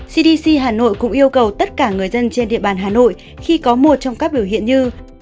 cdc hà nội cũng yêu cầu tất cả người dân trên địa bàn hà nội khi có một trong các biểu hiện như